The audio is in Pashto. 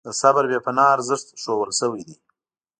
د صبر بې پناه ارزښت ښودل شوی دی.